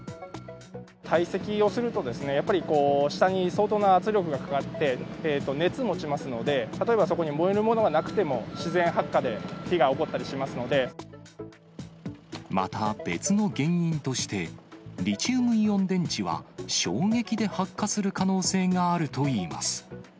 堆積をすると、やっぱり下に相当な圧力がかかって、熱持ちますので、例えばそこに燃えるものがなくても、自然発火で火が起こったりしまた、別の原因として、リチウムイオン電池は、衝撃で発火する可能性があるといいます。